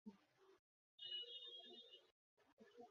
এই বয়সেই খাবারের মাঝখানে দুইবার বাথরুমে যেতে হয়?